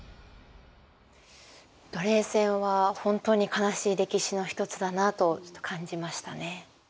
奴隷船は本当に悲しい歴史の一つだなと感じましたね。